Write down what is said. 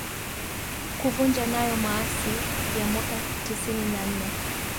kuvunja hayo maasi ya mwaka tisini na nne